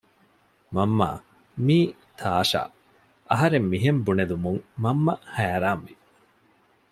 މަންމާ މީ ތާޝާ އަހަރެން މިހެން ބުނެލުމުން މަންމަ ހައިރާންވި